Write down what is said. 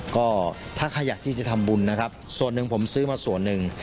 ก็ถ้าใครอยากที่จะทำบุญนะครับส่วนหนึ่งผมซื้อมาส่วนหนึ่ง